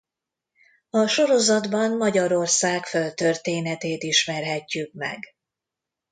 A sorozatban Magyarország földtörténetét ismerhetjük meg.